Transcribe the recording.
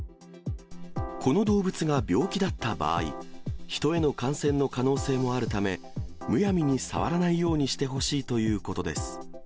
この動物が病気だった場合、人への感染の可能性もあるため、むやみに触らないようにしてほしいということです。